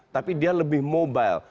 tapi dia lebih mobile